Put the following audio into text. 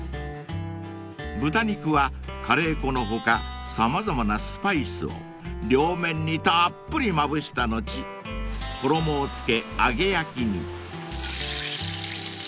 ［豚肉はカレー粉の他様々なスパイスを両面にたっぷりまぶした後衣を付け揚げ焼きに］